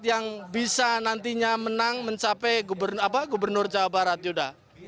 yang bisa nantinya menang mencapai gubernur jawa barat yuda